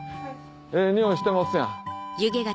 ええ匂いしてますやん。